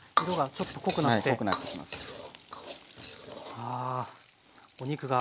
ああお肉が。